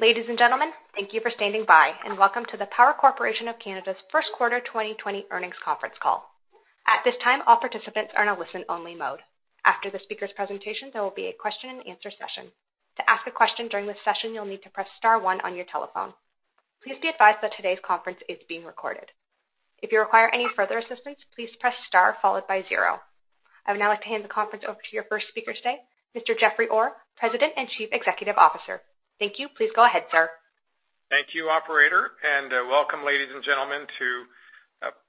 Ladies and gentlemen, thank you for standing by, and welcome to the Power Corporation of Canada's First Quarter 2020 Earnings Conference Call. At this time, all participants are in a listen-only mode. After the speaker's presentation, there will be a question-and-answer session. To ask a question during this session, you'll need to press star 1 on your telephone. Please be advised that today's conference is being recorded. If you require any further assistance, please press star followed by 0. I would now like to hand the conference over to your first speaker today, Mr. Jeffrey Orr, President and Chief Executive Officer. Thank you. Please go ahead, sir. Thank you, Operator, and welcome, ladies and gentlemen, to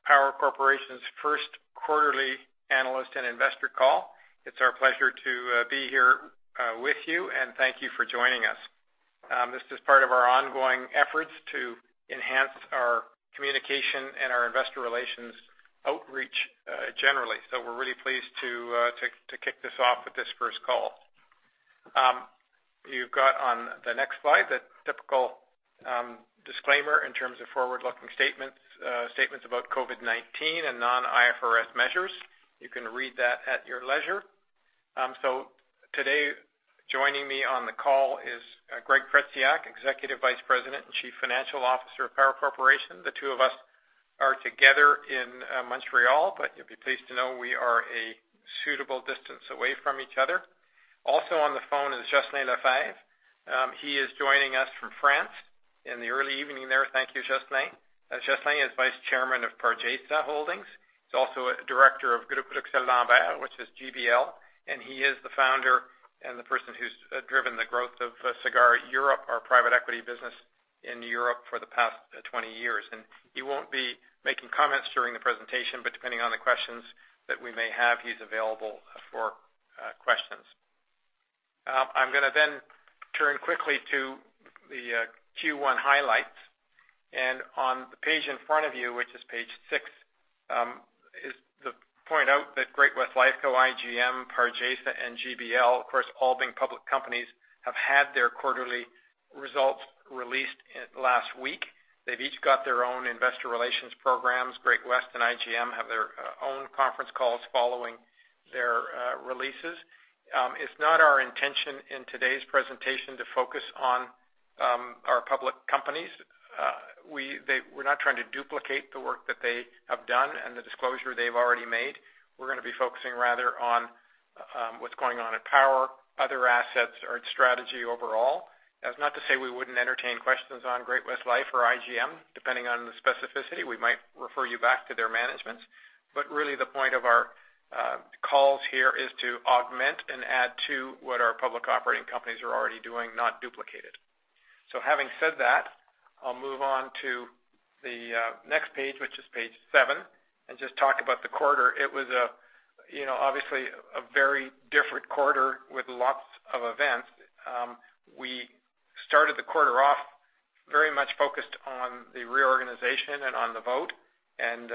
Power Corporation's First Quarterly Analyst and Investor Call. It's our pleasure to be here with you, and thank you for joining us. This is part of our ongoing efforts to enhance our communication and our investor relations outreach generally, so we're really pleased to kick this off with this first call. You've got on the next slide the typical disclaimer in terms of forward-looking statements about COVID-19 and non-IFRS measures. You can read that at your leisure. So today, joining me on the call is Greg Tretiak, Executive Vice President and Chief Financial Officer of Power Corporation. The two of us are together in Montreal, but you'll be pleased to know we are a suitable distance away from each other. Also on the phone is Jocelyn Lefebvre. He is joining us from France in the early evening there. Thank you, Jocelyn. Jocelyn is Vice Chairman of Pargesa Holding. He's also a Director of Groupe Bruxelles Lambert, which is GBL, and he is the founder and the person who's driven the growth of Sagard Europe, our private equity business in Europe, for the past 20 years. He won't be making comments during the presentation, but depending on the questions that we may have, he's available for questions. I'm going to then turn quickly to the Q1 highlights. On the page in front of you, which is page six, is to point out that Great-West Lifeco, IGM, Pargesa, and GBL, of course, all being public companies, have had their quarterly results released last week. They've each got their own investor relations programs. Great-West and IGM have their own conference calls following their releases. It's not our intention in today's presentation to focus on our public companies. We're not trying to duplicate the work that they have done and the disclosure they've already made. We're going to be focusing rather on what's going on at Power, other assets, or its strategy overall. That's not to say we wouldn't entertain questions on Great-West Life or IGM, depending on the specificity. We might refer you back to their managements. But really, the point of our calls here is to augment and add to what our public operating companies are already doing, not duplicate it. So having said that, I'll move on to the next page, which is page seven, and just talk about the quarter. It was obviously a very different quarter with lots of events. We started the quarter off very much focused on the reorganization and on the vote. And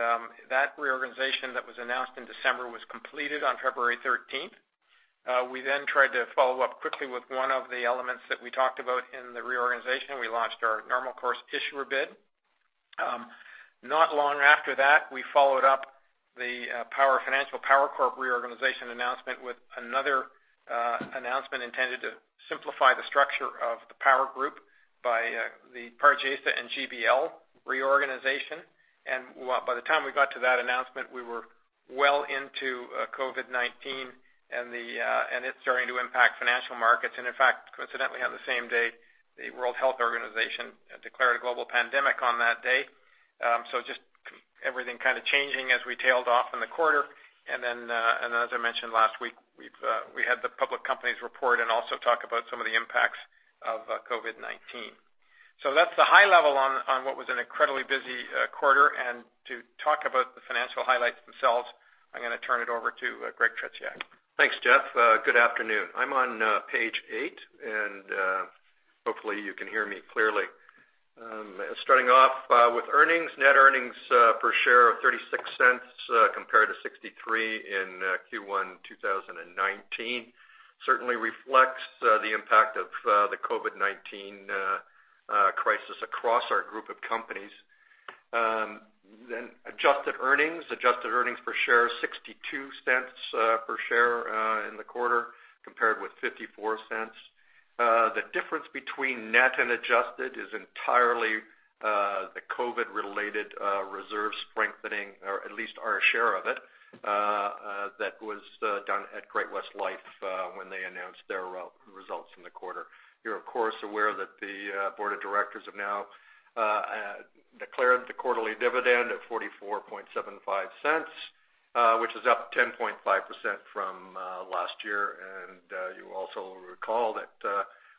that reorganization that was announced in December was completed on February 13th. We then tried to follow up quickly with one of the elements that we talked about in the reorganization. We launched our normal course issuer bid. Not long after that, we followed up the Power Financial and Power Corp reorganization announcement with another announcement intended to simplify the structure of the Power Group by the Pargesa and GBL reorganization, and by the time we got to that announcement, we were well into COVID-19, and it's starting to impact financial markets. And in fact, coincidentally, on the same day, the World Health Organization declared a global pandemic on that day, so just everything kind of changing as we tailed off in the quarter, and then, as I mentioned last week, we had the public companies report and also talk about some of the impacts of COVID-19. So that's the high level on what was an incredibly busy quarter. To talk about the financial highlights themselves, I'm going to turn it over to Greg Tretiak. Thanks, Jeff. Good afternoon. I'm on page eight, and hopefully you can hear me clearly. Starting off with earnings, net earnings per share of 0.36 compared to 0.63 in Q1 2019 certainly reflects the impact of the COVID-19 crisis across our group of companies. Then adjusted earnings, adjusted earnings per share, 0.62 per share in the quarter compared with 0.54. The difference between net and adjusted is entirely the COVID-related reserve strengthening, or at least our share of it, that was done at Great-West Lifeco when they announced their results in the quarter. You're, of course, aware that the board of directors have now declared the quarterly dividend at 0.4475, which is up 10.5% from last year, and you also recall that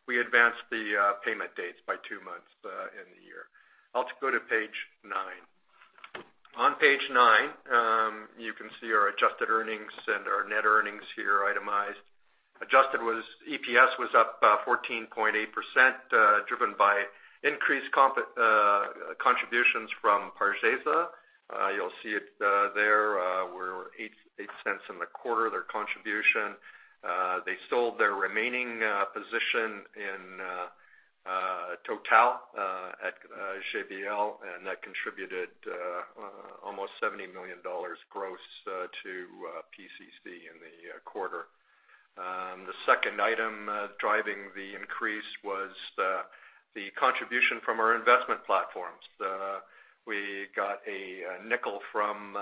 we advanced the payment dates by two months in the year. I'll go to page nine. On page nine, you can see our adjusted earnings and our net earnings here itemized. Adjusted EPS was up 14.8%, driven by increased contributions from Pargesa. You'll see it there. We're 0.08 in the quarter, their contribution. They sold their remaining position in Total at GBL, and that contributed almost 70 million dollars gross to PCC in the quarter. The second item driving the increase was the contribution from our investment platforms. We got CAD 0.05 from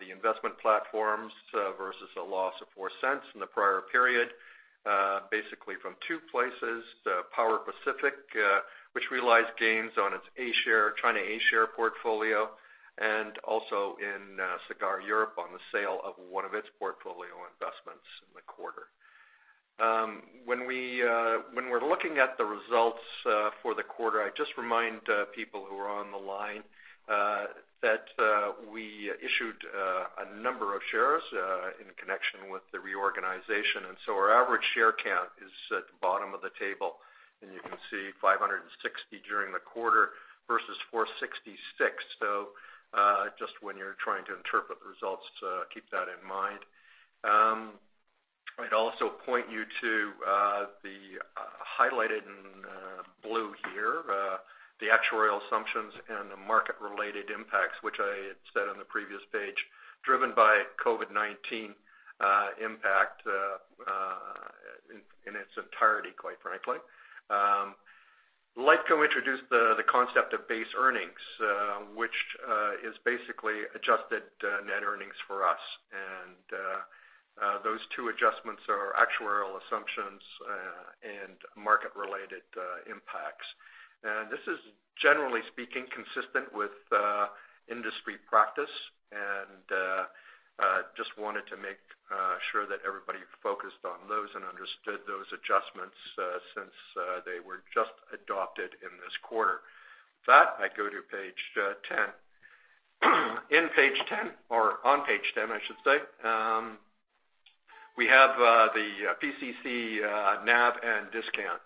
the investment platforms versus a loss of 0.04 in the prior period, basically from two places, the Power Pacific, which realized gains on its China A-shares portfolio, and also in Sagard Europe on the sale of one of its portfolio investments in the quarter. When we're looking at the results for the quarter, I just remind people who are on the line that we issued a number of shares in connection with the reorganization, and so our average share count is at the bottom of the table, and you can see 560 during the quarter versus 466, so just when you're trying to interpret the results, keep that in mind. I'd also point you to the highlighted in blue here, the actuarial assumptions and the market-related impacts, which I had said on the previous page, driven by COVID-19 impact in its entirety, quite frankly. Lifeco introduced the concept of base earnings, which is basically adjusted net earnings for us, and those two adjustments are actuarial assumptions and market-related impacts. This is, generally speaking, consistent with industry practice, and just wanted to make sure that everybody focused on those and understood those adjustments since they were just adopted in this quarter. I go to page 10. On page 10, I should say, we have the PCC NAV and discount.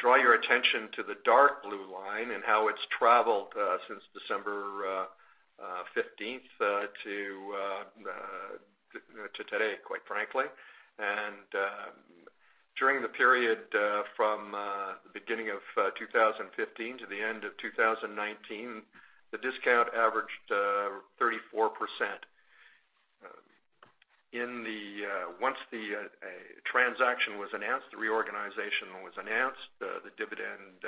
Draw your attention to the dark blue line and how it's traveled since December 15th to today, quite frankly. During the period from the beginning of 2015 to the end of 2019, the discount averaged 34%. Once the transaction was announced, the reorganization was announced, the dividend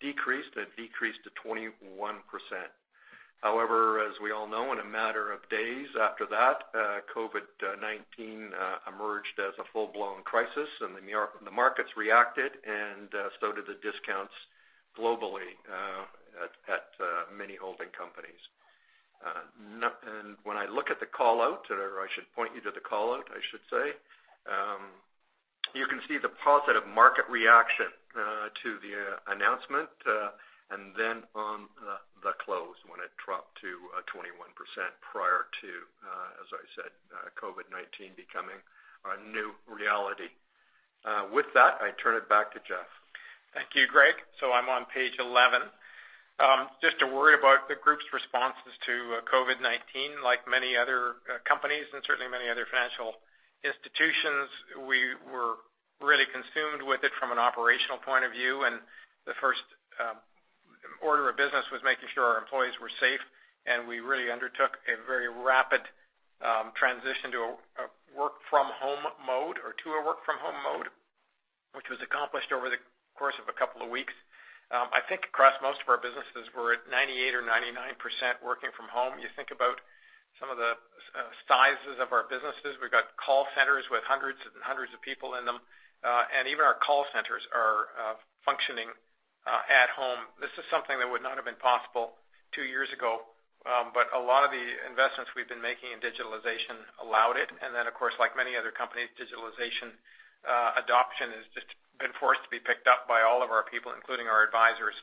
decreased, and it decreased to 21%. However, as we all know, in a matter of days after that, COVID-19 emerged as a full-blown crisis, and the markets reacted, and so did the discounts globally at many holding companies. When I look at the callout, or I should point you to the callout, I should say, you can see the positive market reaction to the announcement, and then on the close when it dropped to 21% prior to, as I said, COVID-19 becoming our new reality. With that, I turn it back to Jeff. Thank you, Greg. I'm on page 11. Just to worry about the group's responses to COVID-19. Like many other companies and certainly many other financial institutions, we were really consumed with it from an operational point of view. The first order of business was making sure our employees were safe, and we really undertook a very rapid transition to a work-from-home mode, which was accomplished over the course of a couple of weeks. I think across most of our businesses, we're at 98% or 99% working from home. You think about some of the sizes of our businesses. We've got call centers with hundreds and hundreds of people in them, and even our call centers are functioning at home. This is something that would not have been possible two years ago, but a lot of the investments we've been making in digitalization allowed it. And then, of course, like many other companies, digitalization adoption has just been forced to be picked up by all of our people, including our advisors,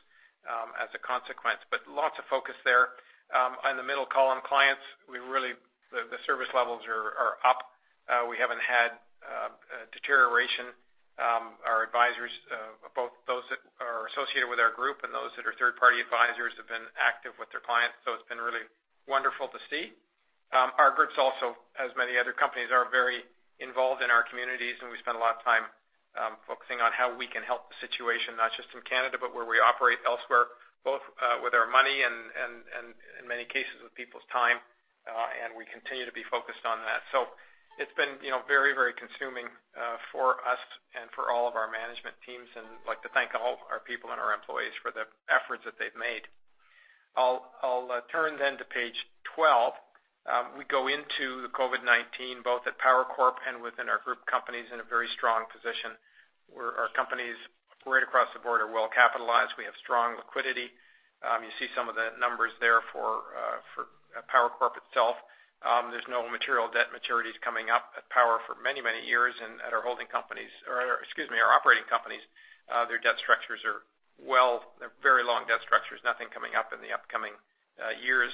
as a consequence. But lots of focus there. On the middle column, clients, we really the service levels are up. We haven't had deterioration. Our advisors, both those that are associated with our group and those that are third-party advisors, have been active with their clients. So it's been really wonderful to see. Our groups also, as many other companies, are very involved in our communities, and we spend a lot of time focusing on how we can help the situation, not just in Canada, but where we operate elsewhere, both with our money and, in many cases, with people's time. And we continue to be focused on that. So it's been very, very consuming for us and for all of our management teams, and I'd like to thank all our people and our employees for the efforts that they've made. I'll turn then to page 12. We go into the COVID-19, both at Power Corp and within our group companies, in a very strong position. Our companies right across the board are well capitalized. We have strong liquidity. You see some of the numbers there for Power Corp itself. There's no material debt maturities coming up at Power for many, many years. At our holding companies, or excuse me, our operating companies, their debt structures are, well, very long debt structures, nothing coming up in the upcoming years.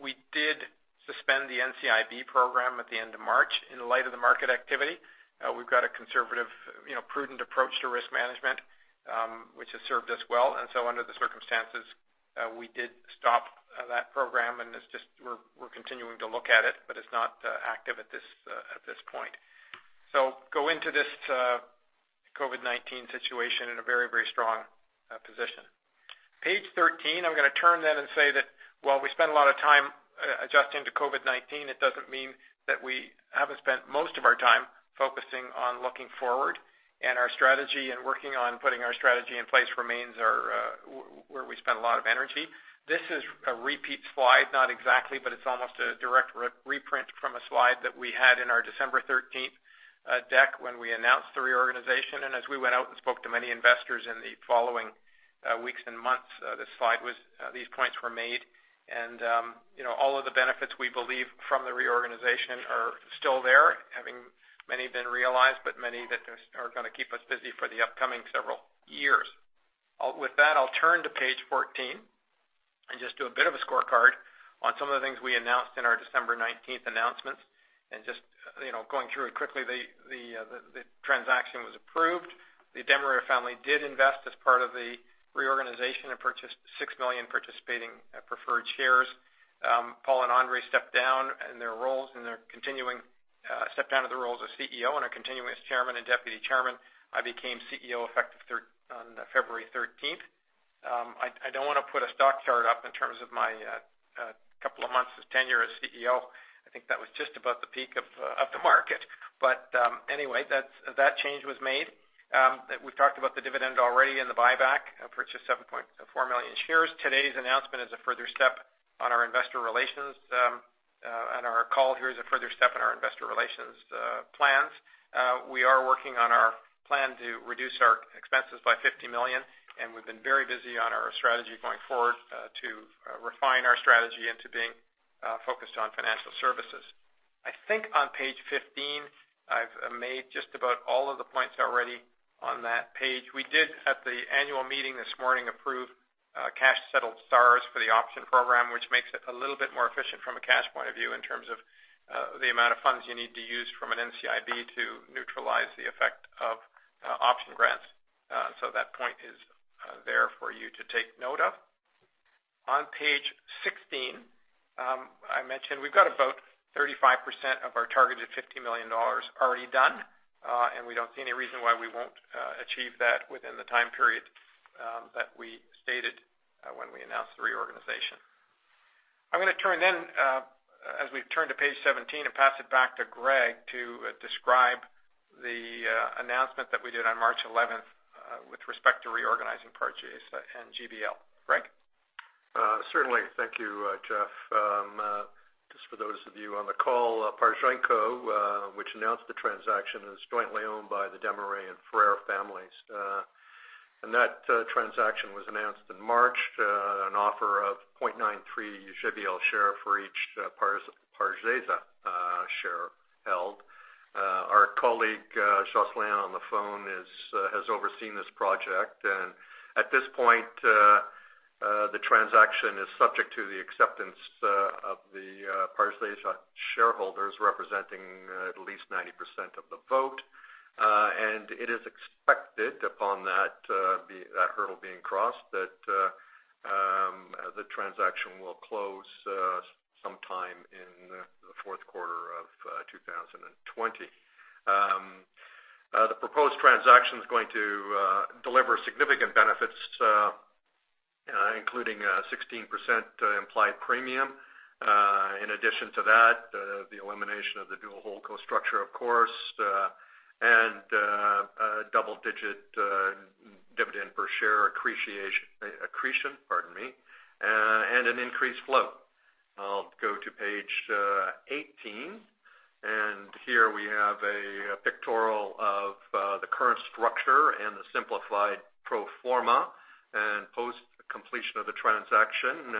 We did suspend the NCIB program at the end of March in light of the market activity. We've got a conservative, prudent approach to risk management, which has served us well. So under the circumstances, we did stop that program, and we're continuing to look at it, but it's not active at this point. So go into this COVID-19 situation in a very, very strong position. Page 13, I'm going to turn then and say that while we spend a lot of time adjusting to COVID-19, it doesn't mean that we haven't spent most of our time focusing on looking forward. Our strategy and working on putting our strategy in place remains where we spend a lot of energy. This is a repeat slide, not exactly, but it's almost a direct reprint from a slide that we had in our December 13th deck when we announced the reorganization, and as we went out and spoke to many investors in the following weeks and months, these points were made, and all of the benefits we believe from the reorganization are still there, having many been realized, but many that are going to keep us busy for the upcoming several years. With that, I'll turn to page 14 and just do a bit of a scorecard on some of the things we announced in our December 19th announcements, and just going through it quickly, the transaction was approved. The Desmarais family did invest as part of the reorganization and purchased six million participating preferred shares. Paul and André stepped down in their roles and their continuing stepped down of the roles of CEO and are continuing as chairman and deputy chairman. I became CEO effective on February 13th. I don't want to put a stock chart up in terms of my couple of months of tenure as CEO. I think that was just about the peak of the market. But anyway, that change was made. We've talked about the dividend already and the buyback, purchased 7.4 million shares. Today's announcement is a further step on our investor relations, and our call here is a further step in our investor relations plans. We are working on our plan to reduce our expenses by 50 million, and we've been very busy on our strategy going forward to refine our strategy into being focused on financial services. I think on page 15, I've made just about all of the points already on that page. We did, at the annual meeting this morning, approve cash-settled SARs for the option program, which makes it a little bit more efficient from a cash point of view in terms of the amount of funds you need to use from an NCIB to neutralize the effect of option grants. So that point is there for you to take note of. On page 16, I mentioned we've got about 35% of our targeted 50 million dollars already done, and we don't see any reason why we won't achieve that within the time period that we stated when we announced the reorganization. I'm going to turn then, as we've turned to page 17, and pass it back to Greg to describe the announcement that we did on March 11th with respect to reorganizing Pargesa and GBL. Greg? Certainly. Thank you, Jeff. Just for those of you on the call, Pargesa, which announced the transaction, is jointly owned by the Desmarais and Frère families. That transaction was announced in March, an offer of 0.93 GBL share for each Pargesa share held. Our colleague, Jocelyn on the phone, has overseen this project. At this point, the transaction is subject to the acceptance of the Pargesa shareholders representing at least 90% of the vote. It is expected upon that hurdle being crossed that the transaction will close sometime in the fourth quarter of 2020. The proposed transaction is going to deliver significant benefits, including 16% implied premium. In addition to that, the elimination of the dual holding cost structure, of course, and double-digit dividend per share accretion, pardon me, and an increased flow. I'll go to page 18. Here we have a pictorial of the current structure and the simplified pro forma and post-completion of the transaction.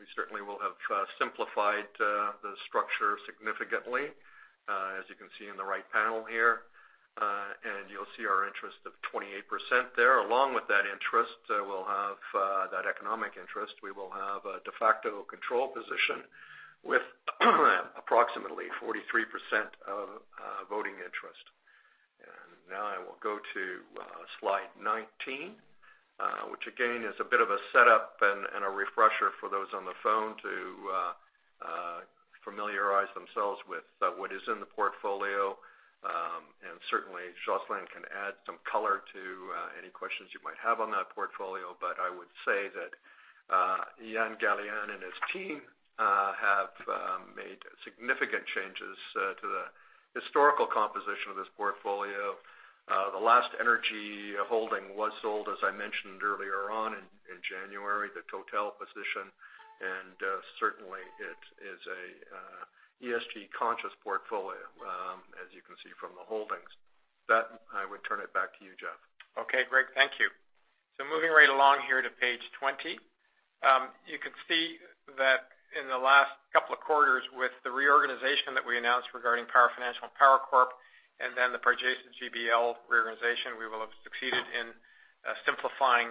We certainly will have simplified the structure significantly, as you can see in the right panel here. You'll see our interest of 28% there. Along with that interest, we'll have that economic interest. We will have a de facto control position with approximately 43% of voting interest. Now I will go to slide 19, which again is a bit of a setup and a refresher for those on the phone to familiarize themselves with what is in the portfolio. Certainly, Jocelyn can add some color to any questions you might have on that portfolio. I would say that Ian Gallienne and his team have made significant changes to the historical composition of this portfolio. The last energy holding was sold, as I mentioned earlier on in January, the Total position, and certainly, it is an ESG-conscious portfolio, as you can see from the holdings. That, I would turn it back to you, Jeff. Okay, Greg, thank you. So moving right along here to page 20, you can see that in the last couple of quarters with the reorganization that we announced regarding Power Financial and Power Corp, and then the Pargesa GBL reorganization, we will have succeeded in simplifying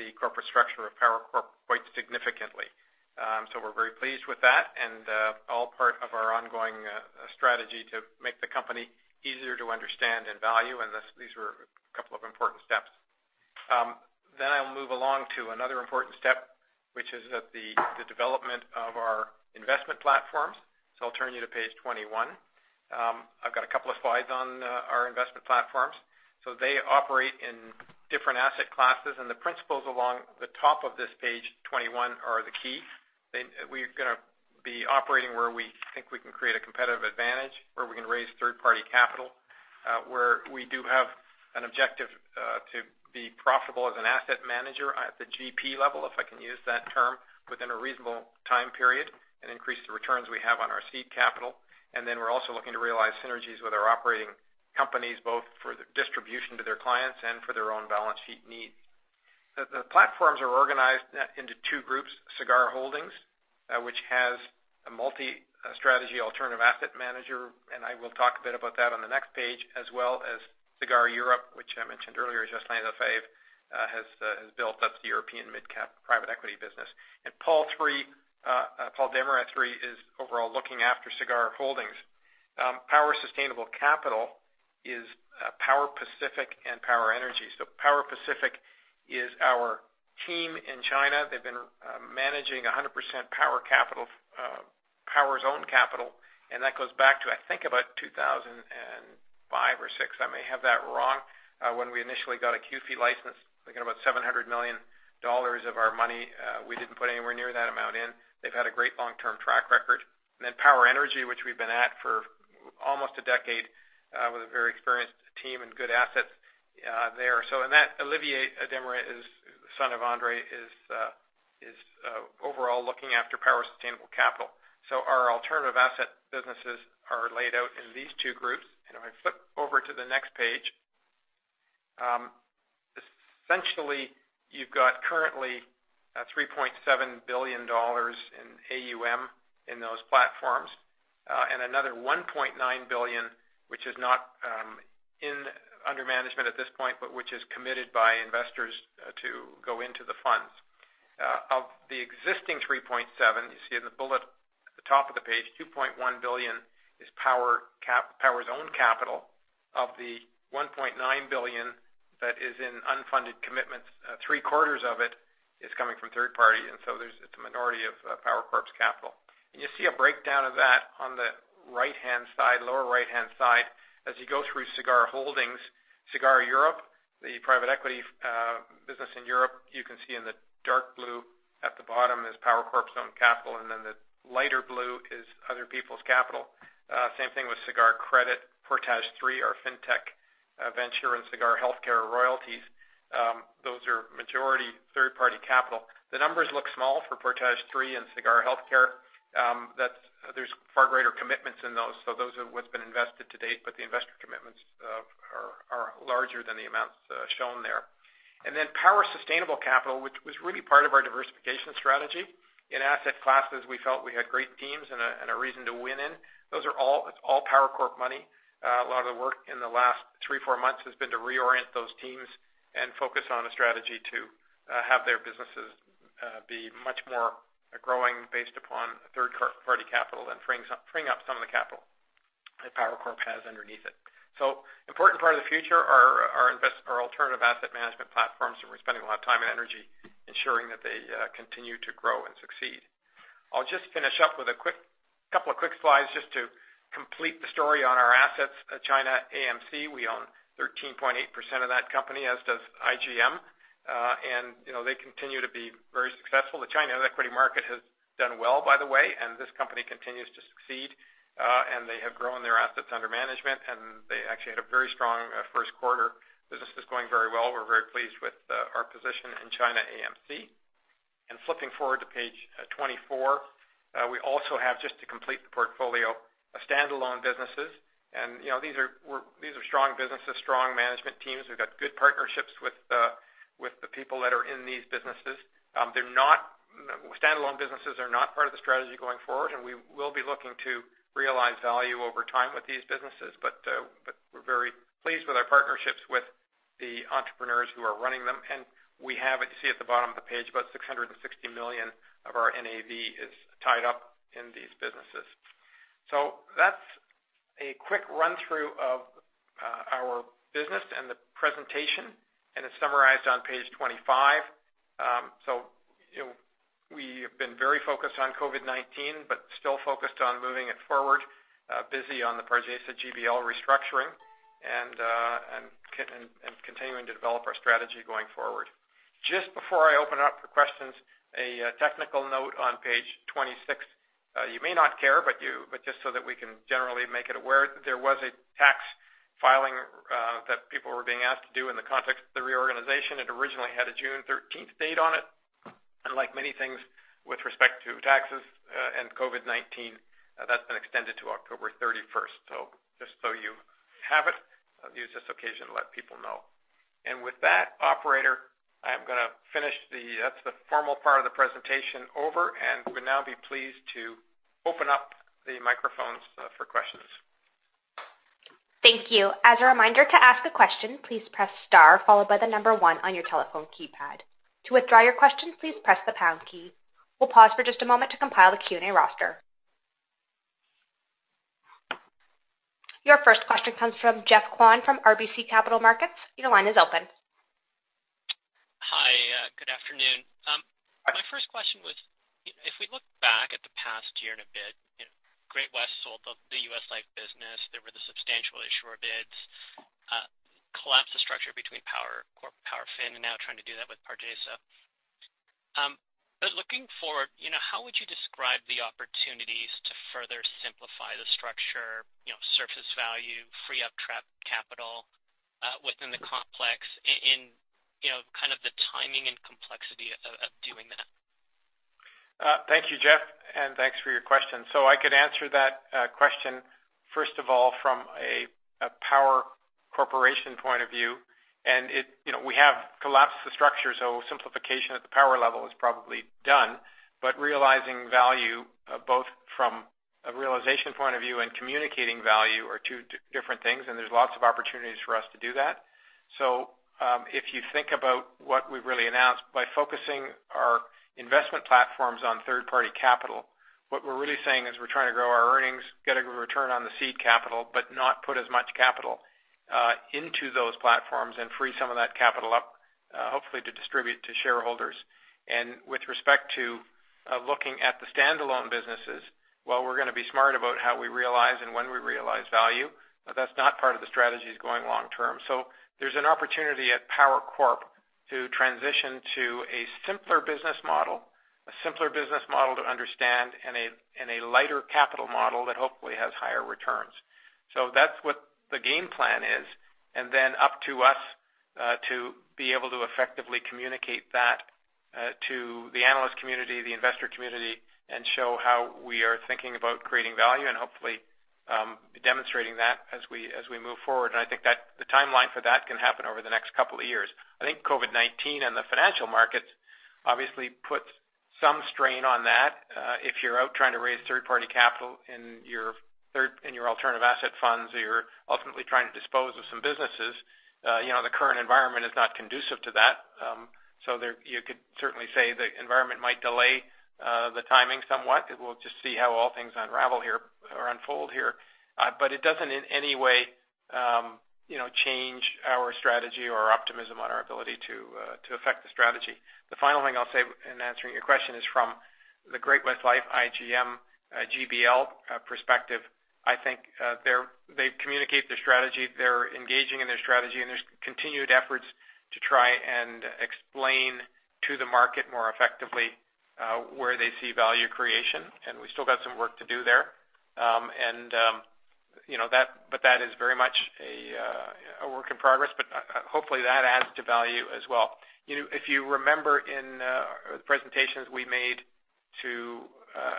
the corporate structure of Power Corp quite significantly. So we're very pleased with that and all part of our ongoing strategy to make the company easier to understand and value. And these were a couple of important steps. Then I'll move along to another important step, which is the development of our investment platforms. So I'll turn you to page 21. I've got a couple of slides on our investment platforms. So they operate in different asset classes. And the principles along the top of this page 21 are the key. We're going to be operating where we think we can create a competitive advantage, where we can raise third-party capital, where we do have an objective to be profitable as an asset manager at the GP level, if I can use that term, within a reasonable time period and increase the returns we have on our seed capital. And then we're also looking to realize synergies with our operating companies, both for the distribution to their clients and for their own balance sheet needs. The platforms are organized into two groups: Sagard Holdings, which has a multi-strategy alternative asset manager, and I will talk a bit about that on the next page, as well as Sagard Europe, which I mentioned earlier, Jocelyn Lefebvre has built up the European mid-cap private equity business. And Paul Desmarais III is overall looking after Sagard Holdings. Power Sustainable Capital is Power Pacific and Power Energy. So Power Pacific is our team in China. They've been managing 100% Power capital, Power's own capital. And that goes back to, I think, about 2005 or 2006. I may have that wrong. When we initially got a QFII license, we got about 700 million dollars of our money. We didn't put anywhere near that amount in. They've had a great long-term track record. And then Power Energy, which we've been at for almost a decade with a very experienced team and good assets there. So in that, Olivier Desmarais, the son of André, is overall looking after Power Sustainable Capital. So our alternative asset businesses are laid out in these two groups. And if I flip over to the next page, essentially, you've got currently 3.7 billion dollars in AUM in those platforms and another 1.9 billion, which is not under management at this point, but which is committed by investors to go into the funds. Of the existing 3.7, you see in the bullet at the top of the page, 2.1 billion is Power's own capital. Of the 1.9 billion that is in unfunded commitments, three-quarters of it is coming from third parties. And so it's a minority of Power Corp's capital. And you see a breakdown of that on the right-hand side, lower right-hand side. As you go through Sagard Holdings, Sagard Europe, the private equity business in Europe, you can see in the dark blue at the bottom is Power Corp's own capital. And then the lighter blue is other people's capital. Same thing with Sagard Credit, Portage III, our fintech venture, and Sagard Healthcare royalties. Those are majority third-party capital. The numbers look small for Portage III and Sagard Healthcare. There's far greater commitments in those. So those are what's been invested to date, but the investor commitments are larger than the amounts shown there. And then Power Sustainable Capital, which was really part of our diversification strategy. In asset classes, we felt we had great teams and a reason to win in. It's all Power Corp money. A lot of the work in the last three, four months has been to reorient those teams and focus on a strategy to have their businesses be much more growing based upon third-party capital and freeing up some of the capital that Power Corp has underneath it. So important part of the future are our alternative asset management platforms, and we're spending a lot of time and energy ensuring that they continue to grow and succeed. I'll just finish up with a couple of quick slides just to complete the story on our assets. China AMC, we own 13.8% of that company, as does IGM. And they continue to be very successful. The China equity market has done well, by the way, and this company continues to succeed. And they have grown their assets under management, and they actually had a very strong first quarter. Business is going very well. We're very pleased with our position in China AMC. And flipping forward to page 24, we also have, just to complete the portfolio, standalone businesses. And these are strong businesses, strong management teams. We've got good partnerships with the people that are in these businesses. Standalone businesses are not part of the strategy going forward, and we will be looking to realize value over time with these businesses, but we're very pleased with our partnerships with the entrepreneurs who are running them, and we have, as you see at the bottom of the page, about 660 million of our NAV is tied up in these businesses, so that's a quick run-through of our business and the presentation, and it's summarized on page 25, so we have been very focused on COVID-19, but still focused on moving it forward, busy on the Pargesa GBL restructuring, and continuing to develop our strategy going forward. Just before I open up for questions, a technical note on page 26. You may not care, but just so that we can generally make it aware, there was a tax filing that people were being asked to do in the context of the reorganization. It originally had a June 13th date on it, and like many things with respect to taxes and COVID-19, that's been extended to October 31st, so just so you have it, I'll use this occasion to let people know, and with that, operator, I'm going to finish the formal part of the presentation over, and we'll now be pleased to open up the microphones for questions. Thank you. As a reminder, to ask a question, please press star, followed by the number 1 on your telephone keypad. To withdraw your question, please press the pound key. We'll pause for just a moment to compile the Q&A roster. Your first question comes from Geoff Kwan from RBC Capital Markets. Your line is open. Hi. Good afternoon. My first question was, if we look back at the past year and a bit, Great-West sold the U.S. life business. There were substantial issues or bids collapse of structure between Power Corp, Power Financial, and now trying to do that with Pargesa. Looking forward, how would you describe the opportunities to further simplify the structure, surface value, free up trapped capital within the complex, and kind of the timing and complexity of doing that? Thank you, Geoff, and thanks for your question. So I could answer that question, first of all, from a Power Corporation point of view. And we have collapsed the structure, so simplification at the power level is probably done. But realizing value, both from a realization point of view and communicating value, are two different things. And there's lots of opportunities for us to do that. So if you think about what we've really announced, by focusing our investment platforms on third-party capital, what we're really saying is we're trying to grow our earnings, get a return on the seed capital, but not put as much capital into those platforms and free some of that capital up, hopefully, to distribute to shareholders. And with respect to looking at the standalone businesses, while we're going to be smart about how we realize and when we realize value, that's not part of the strategy going long-term. So there's an opportunity at Power Corp to transition to a simpler business model, a simpler business model to understand, and a lighter capital model that hopefully has higher returns. So that's what the game plan is. And then up to us to be able to effectively communicate that to the analyst community, the investor community, and show how we are thinking about creating value and hopefully demonstrating that as we move forward. And I think that the timeline for that can happen over the next couple of years. I think COVID-19 and the financial markets obviously put some strain on that. If you're out trying to raise third-party capital in your alternative asset funds or you're ultimately trying to dispose of some businesses, the current environment is not conducive to that. So you could certainly say the environment might delay the timing somewhat. We'll just see how all things unravel here or unfold here. But it doesn't in any way change our strategy or optimism on our ability to affect the strategy. The final thing I'll say in answering your question is from the Great-West Lifeco IGM GBL perspective. I think they've communicated their strategy. They're engaging in their strategy, and there's continued efforts to try and explain to the market more effectively where they see value creation. And we've still got some work to do there. But that is very much a work in progress. But hopefully, that adds to value as well. If you remember in the presentations we made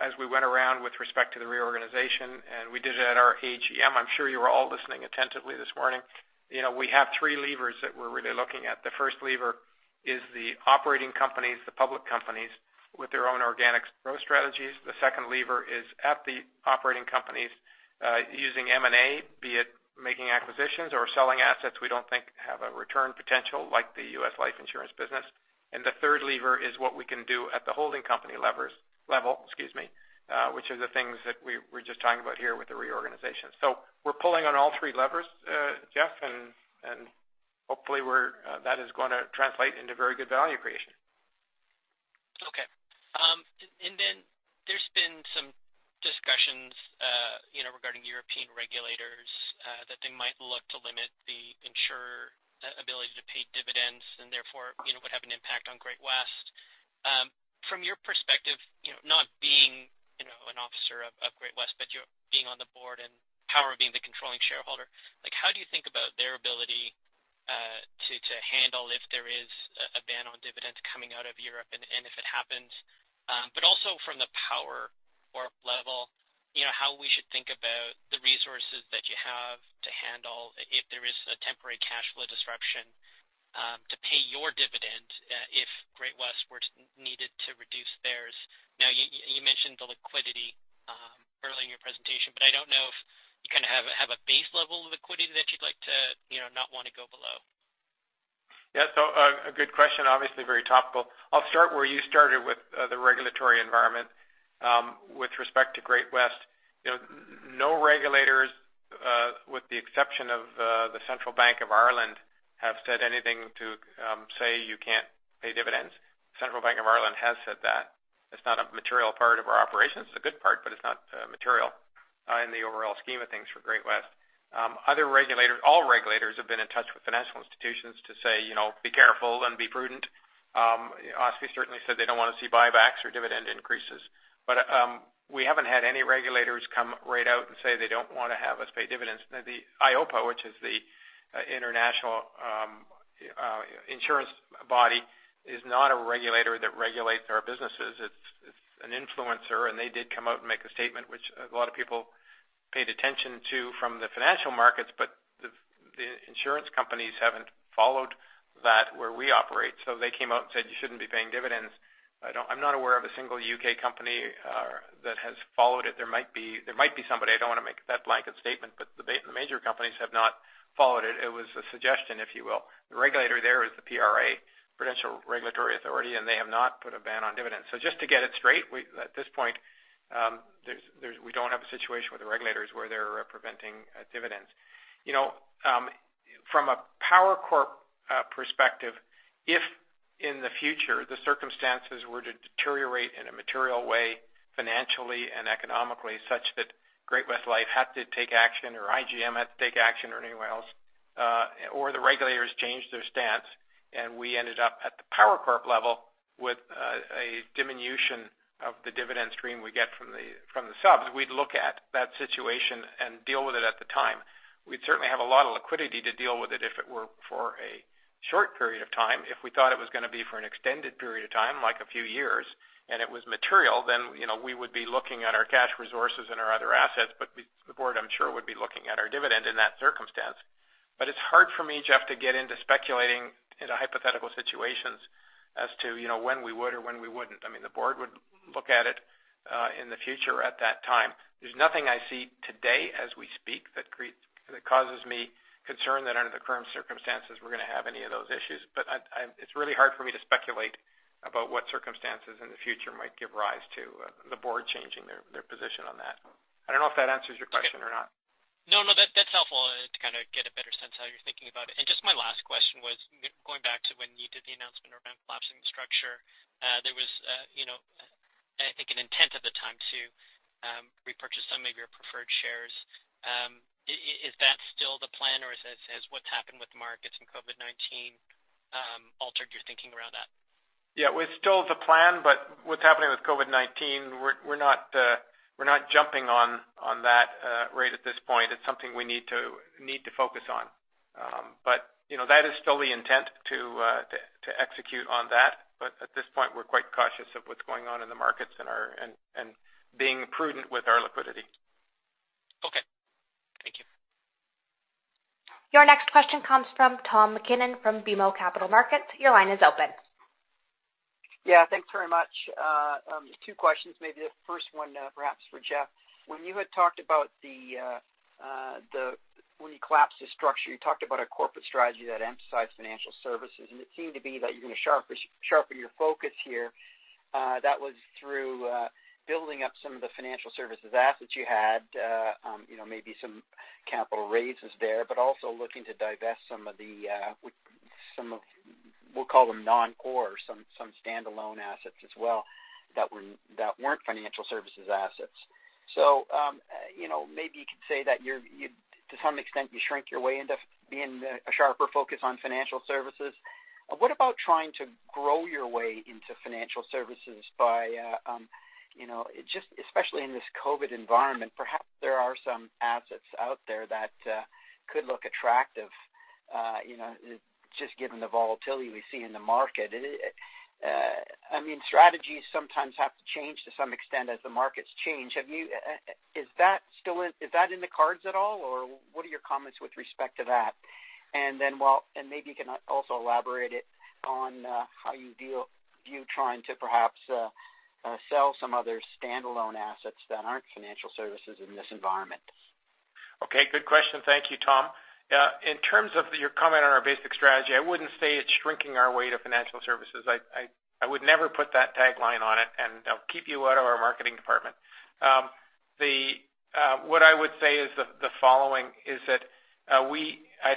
as we went around with respect to the reorganization, and we did it at our AGM, I'm sure you were all listening attentively this morning. We have three levers that we're really looking at. The first lever is the operating companies, the public companies with their own organic growth strategies. The second lever is at the operating companies using M&A, be it making acquisitions or selling assets we don't think have a return potential like the U.S. life insurance business. And the third lever is what we can do at the holding company level, excuse me, which are the things that we were just talking about here with the reorganization. So we're pulling on all three levers, Geoff, and hopefully, that is going to translate into very good value creation. Okay. And then there's been some discussions regarding European regulators that they might look to limit the insurer ability to pay dividends and therefore would have an impact on Great-West. From your perspective, not being an officer of Great-West, but being on the board and Power being the controlling shareholder, how do you think about their ability to handle if there is a ban on dividends coming out of Europe and if it happens? But also from the Power Corp level, how we should think about the resources that you have to handle if there is a temporary cash flow disruption to pay your dividend if Great-West were needed to reduce theirs? Now, you mentioned the liquidity earlier in your presentation, but I don't know if you kind of have a base level of liquidity that you'd like to not want to go below. Yeah, so a good question, obviously very topical. I'll start where you started with the regulatory environment with respect to Great-West. No regulators, with the exception of the Central Bank of Ireland, have said anything to say you can't pay dividends. The Central Bank of Ireland has said that. It's not a material part of our operations. It's a good part, but it's not material in the overall scheme of things for Great-West. All regulators have been in touch with financial institutions to say, "Be careful and be prudent." OSFI certainly said they don't want to see buybacks or dividend increases. But we haven't had any regulators come right out and say they don't want to have us pay dividends. The EIOPA, which is the international insurance body, is not a regulator that regulates our businesses. It's an influencer. They did come out and make a statement, which a lot of people paid attention to from the financial markets, but the insurance companies haven't followed that where we operate. They came out and said, "You shouldn't be paying dividends." I'm not aware of a single U.K. company that has followed it. There might be somebody. I don't want to make that blanket statement, but the major companies have not followed it. It was a suggestion, if you will. The regulator there is the PRA, Prudential Regulation Authority, and they have not put a ban on dividends. Just to get it straight, at this point, we don't have a situation with the regulators where they're preventing dividends. From a Power Corp perspective, if in the future the circumstances were to deteriorate in a material way, financially and economically, such that Great-West Lifeco had to take action or IGM had to take action or anyone else, or the regulators changed their stance and we ended up at the Power Corp level with a diminution of the dividend stream we get from the subs, we'd look at that situation and deal with it at the time. We'd certainly have a lot of liquidity to deal with it if it were for a short period of time. If we thought it was going to be for an extended period of time, like a few years, and it was material, then we would be looking at our cash resources and our other assets. But the board, I'm sure, would be looking at our dividend in that circumstance. But it's hard for me, Geoff, to get into speculating in hypothetical situations as to when we would or when we wouldn't. I mean, the board would look at it in the future at that time. There's nothing I see today as we speak that causes me concern that under the current circumstances, we're going to have any of those issues. But it's really hard for me to speculate about what circumstances in the future might give rise to the board changing their position on that. I don't know if that answers your question or not. No, no. That's helpful to kind of get a better sense of how you're thinking about it. And just my last question was going back to when you did the announcement around collapsing the structure. There was, I think, an intent at the time to repurchase some of your preferred shares. Is that still the plan, or has what's happened with the markets and COVID-19 altered your thinking around that? Yeah. It was still the plan, but what's happening with COVID-19, we're not jumping on that right at this point. It's something we need to focus on. That is still the intent to execute on that. At this point, we're quite cautious of what's going on in the markets and being prudent with our liquidity. Okay. Thank you. Your next question comes from Tom MacKinnon from BMO Capital Markets. Your line is open. Yeah. Thanks very much. Two questions, maybe the first one perhaps for Jeff. When you had talked about when you collapsed the structure, you talked about a corporate strategy that emphasized financial services. And it seemed to be that you're going to sharpen your focus here. That was through building up some of the financial services assets you had, maybe some capital raises there, but also looking to divest some of the, we'll call them non-core, some standalone assets as well that weren't financial services assets. So maybe you could say that to some extent, you shrunk your way into being a sharper focus on financial services. What about trying to grow your way into financial services by just, especially in this COVID environment? Perhaps there are some assets out there that could look attractive, just given the volatility we see in the market. I mean, strategies sometimes have to change to some extent as the markets change. Is that in the cards at all, or what are your comments with respect to that? And then maybe you can also elaborate on how you view trying to perhaps sell some other standalone assets that aren't financial services in this environment. Okay. Good question. Thank you, Tom. In terms of your comment on our basic strategy, I wouldn't say it's shrinking our way to financial services. I would never put that tagline on it, and I'll keep you out of our marketing department. What I would say is the following: I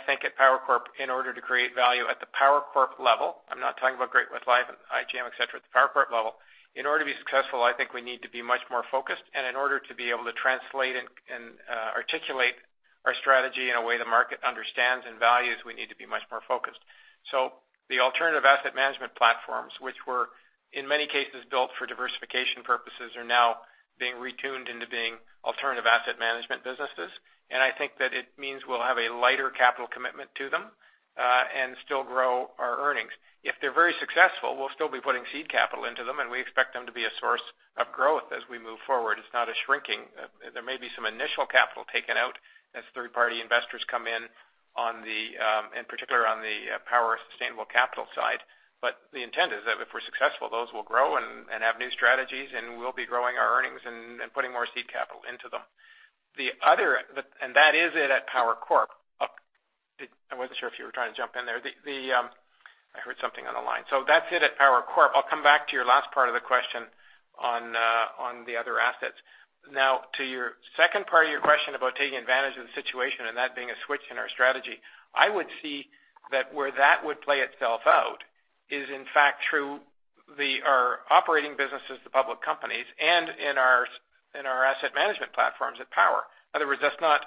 think at Power Corp, in order to create value at the Power Corp level, I'm not talking about Great-West Lifeco and IGM, etc., at the Power Corp level, in order to be successful, I think we need to be much more focused, and in order to be able to translate and articulate our strategy in a way the market understands and values, we need to be much more focused, so the alternative asset management platforms, which were in many cases built for diversification purposes, are now being retooled into being alternative asset management businesses. I think that it means we'll have a lighter capital commitment to them and still grow our earnings. If they're very successful, we'll still be putting seed capital into them, and we expect them to be a source of growth as we move forward. It's not a shrinking. There may be some initial capital taken out as third-party investors come in, in particular on the Power Sustainable Capital side, but the intent is that if we're successful, those will grow and have new strategies, and we'll be growing our earnings and putting more seed capital into them. That is it at Power Corp. I wasn't sure if you were trying to jump in there. I heard something on the line, so that's it at Power Corp. I'll come back to your last part of the question on the other assets. Now, to your second part of your question about taking advantage of the situation and that being a switch in our strategy, I would see that where that would play itself out is, in fact, through our operating businesses, the public companies, and in our asset management platforms at Power. In other words, it's not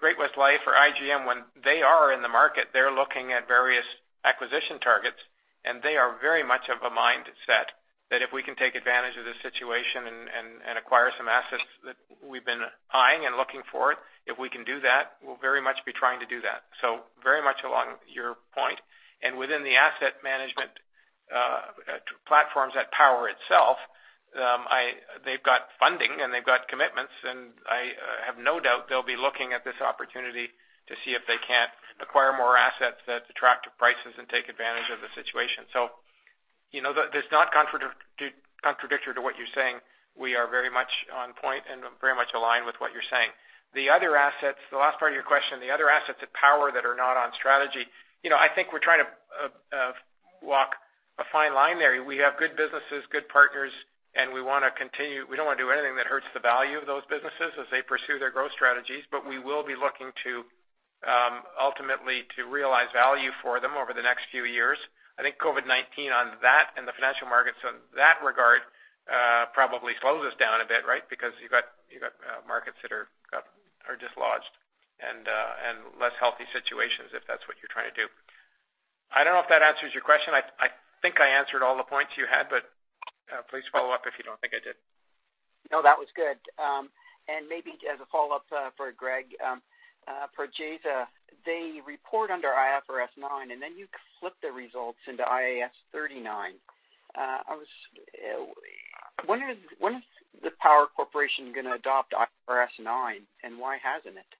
Great-West Lifeco or IGM when they are in the market. They're looking at various acquisition targets, and they are very much of a mindset that if we can take advantage of this situation and acquire some assets that we've been eyeing and looking for, if we can do that, we'll very much be trying to do that. So very much along your point, and within the asset management platforms at Power itself, they've got funding and they've got commitments. And I have no doubt they'll be looking at this opportunity to see if they can't acquire more assets that attract prices and take advantage of the situation. So it's not contradictory to what you're saying. We are very much on point and very much aligned with what you're saying. The last part of your question, the other assets at Power that are not on strategy, I think we're trying to walk a fine line there. We have good businesses, good partners, and we want to continue. We don't want to do anything that hurts the value of those businesses as they pursue their growth strategies. But we will be looking ultimately to realize value for them over the next few years. I think COVID-19 on that and the financial markets in that regard probably slows us down a bit, right? Because you've got markets that are dislodged and less healthy situations if that's what you're trying to do. I don't know if that answers your question. I think I answered all the points you had, but please follow up if you don't think I did. No, that was good. And maybe as a follow-up for Greg, for IGM, they report under IFRS 9, and then you flip the results into IAS 39. When is the Power Corporation going to adopt IFRS 9, and why hasn't it?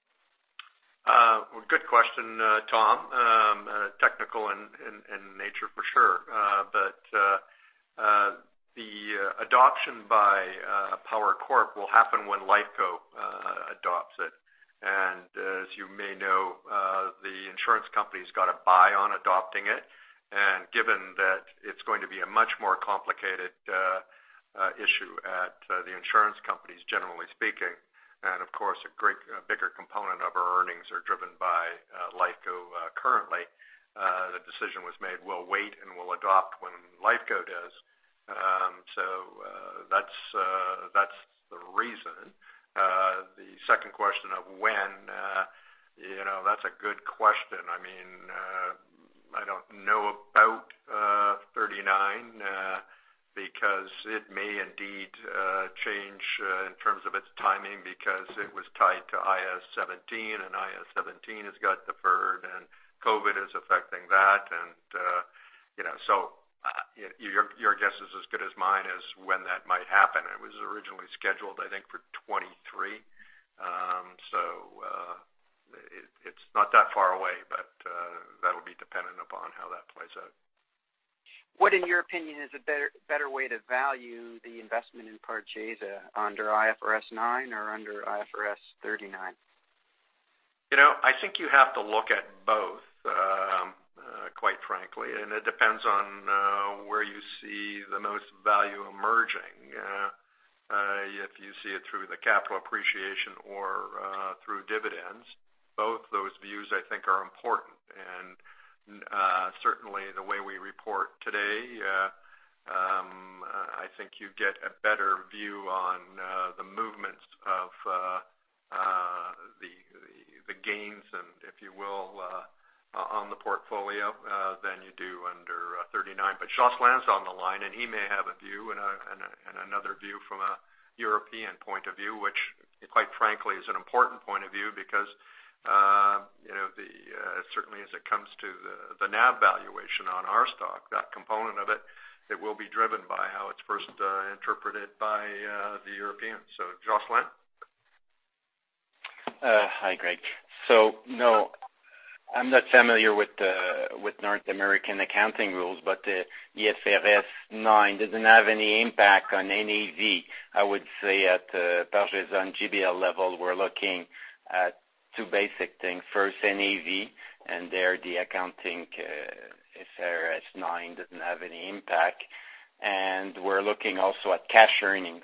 Well, good question, Tom. Technical in nature, for sure. But the adoption by Power Corp will happen when Lifeco adopts it. And as you may know, the insurance company has got to buy on adopting it. And given that it's going to be a much more complicated issue at the insurance companies, generally speaking, and of course, a bigger component of our earnings are driven by Lifeco currently, the decision was made, "We'll wait and we'll adopt when Lifeco does." So that's the reason. The second question of when, that's a good question. I mean, I don't know about 39 because it may indeed change in terms of its timing because it was tied to IAS 17, and IAS 17 has got deferred, and COVID is affecting that. And so your guess is as good as mine as when that might happen. It was originally scheduled, I think, for 2023. So it's not that far away, but that'll be dependent upon how that plays out. What, in your opinion, is a better way to value the investment in Pargesa under IFRS 9 or under IAS 39? I think you have to look at both, quite frankly. And it depends on where you see the most value emerging. If you see it through the capital appreciation or through dividends, both those views, I think, are important. And certainly, the way we report today, I think you get a better view on the movements of the gains, if you will, on the portfolio than you do under 39. But Jocelyn Lefebvre on the line, and he may have a view and another view from a European point of view, which, quite frankly, is an important point of view because certainly, as it comes to the NAV valuation on our stock, that component of it, it will be driven by how it's first interpreted by the Europeans. So Jocelyn Lefebvre. Hi, Greg. So no, I'm not familiar with North American accounting rules, but the IFRS 9 doesn't have any impact on NAV. I would say at the Pargesa on GBL level, we're looking at two basic things. First, NAV, and there the accounting IFRS 9 doesn't have any impact. And we're looking also at cash earnings,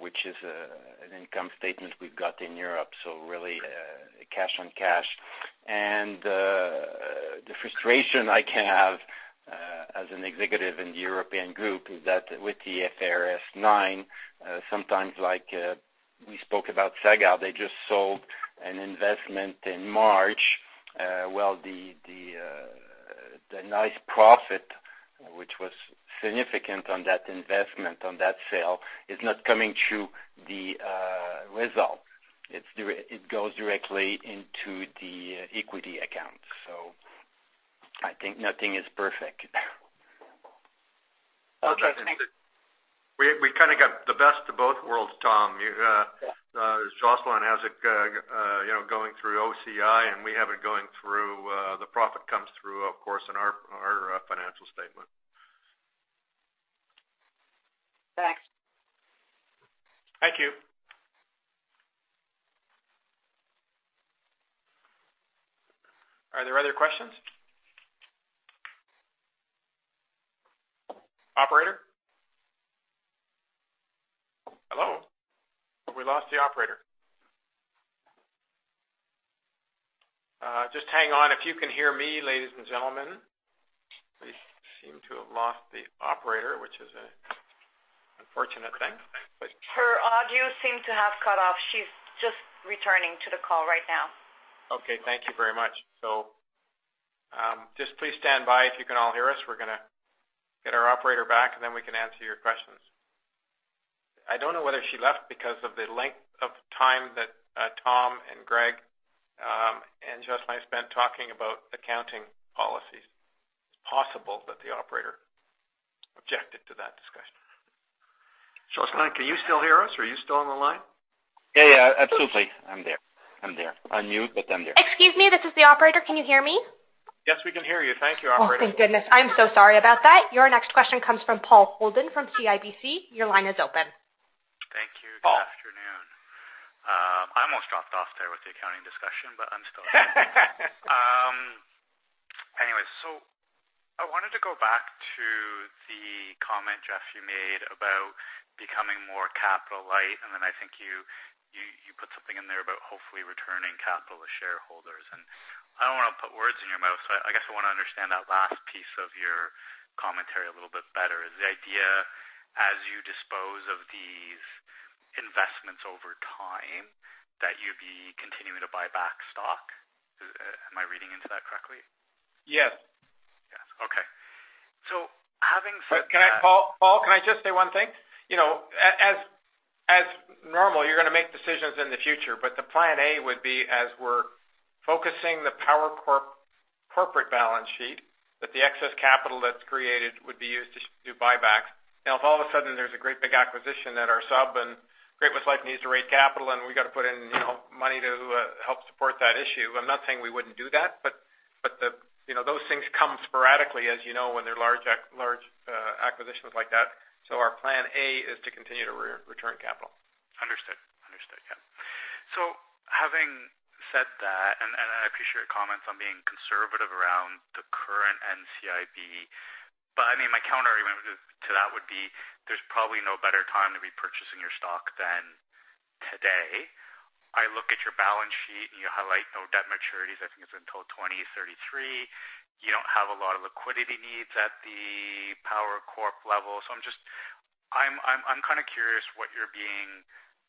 which is an income statement we've got in Europe. So really, cash on cash. And the frustration I can have as an executive in the European group is that with the IFRS 9, sometimes like we spoke about Sagard, they just sold an investment in March. Well, the nice profit, which was significant on that investment, on that sale, is not coming through the result. It goes directly into the equity accounts. So I think nothing is perfect. Okay. We kind of got the best of both worlds, Tom. Jocelyn has it going through OCI, and we have it going through the profit comes through, of course, in our financial statement. Thanks. Thank you. Are there other questions? Operator? Hello? We lost the operator. Just hang on. If you can hear me, ladies and gentlemen, we seem to have lost the operator, which is an unfortunate thing. Her audio seemed to have cut off. She's just returning to the call right now. Okay. Thank you very much. So just please stand by if you can all hear us. We're going to get our operator back, and then we can answer your questions. I don't know whether she left because of the length of time that Tom and Greg and Jocelyn spent talking about accounting policies. It's possible that the operator objected to that discussion. Jocelyn, can you still hear us? Are you still on the line? Yeah, yeah. Absolutely. I'm there. I'm there. Unmute, but I'm there. Excuse me. This is the operator. Can you hear me? Yes, we can hear you. Thank you, operator. Oh, thank goodness. I'm so sorry about that. Your next question comes from Paul Holden from CIBC. Your line is open. Thank you. Good afternoon. I almost dropped off there with the accounting discussion, but I'm still here. Anyway, so I wanted to go back to the comment, Jeff, you made about becoming more capital light. And then I think you put something in there about hopefully returning capital to shareholders. And I don't want to put words in your mouth, so I guess I want to understand that last piece of your commentary a little bit better. Is the idea, as you dispose of these investments over time, that you'd be continuing to buy back stock? Am I reading into that correctly? Yes. Yes. Okay. So having said that. Can I just say one thing? As normal, you're going to make decisions in the future, but the plan A would be, as we're focusing the Power Corp corporate balance sheet, that the excess capital that's created would be used to do buybacks. Now, if all of a sudden there's a great big acquisition at our sub and Great-West Lifeco needs to raise capital, and we've got to put in money to help support that issue, I'm not saying we wouldn't do that, but those things come sporadically, as you know, when there are large acquisitions like that, so our plan A is to continue to return capital. Understood. Understood. Yeah, so having said that, and I appreciate your comments on being conservative around the current NCIB, but I mean, my counter argument to that would be there's probably no better time to be purchasing your stock than today. I look at your balance sheet, and you highlight no debt maturities. I think it's until 2033. You don't have a lot of liquidity needs at the Power Corp level. So I'm kind of curious what you're being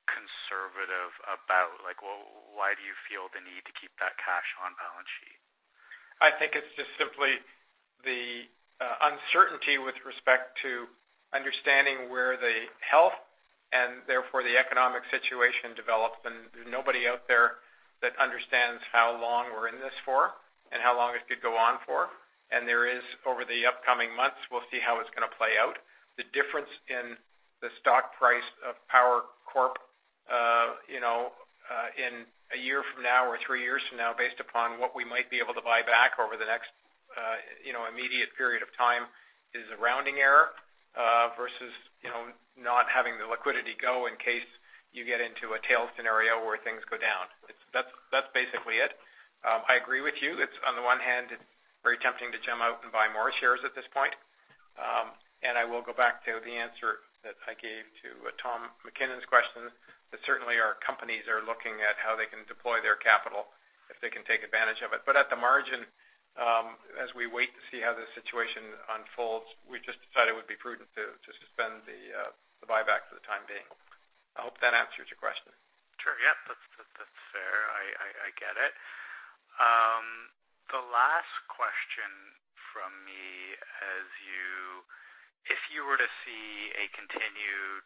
conservative about. Why do you feel the need to keep that cash on balance sheet? I think it's just simply the uncertainty with respect to understanding where the health and therefore the economic situation develops. And there's nobody out there that understands how long we're in this for and how long it could go on for. And there is, over the upcoming months, we'll see how it's going to play out. The difference in the stock price of Power Corp in a year from now or three years from now, based upon what we might be able to buy back over the next immediate period of time, is a rounding error versus not having the liquidity go in case you get into a tail scenario where things go down. That's basically it. I agree with you. On the one hand, it's very tempting to jump out and buy more shares at this point. And I will go back to the answer that I gave to Tom MacKinnon's question. But certainly, our companies are looking at how they can deploy their capital if they can take advantage of it. But at the margin, as we wait to see how the situation unfolds, we just decided it would be prudent to suspend the buyback for the time being. I hope that answers your question. Sure. Yeah. That's fair. I get it. The last question from me is, if you were to see a continued,